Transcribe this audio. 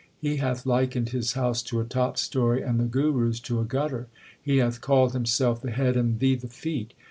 He hath likened his house to a top story and the Guru s to a gutter. He hath called himself the head and thee the feet.